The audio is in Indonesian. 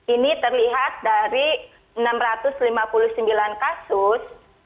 ini terlihat dari enam ratus lima puluh sembilan kasus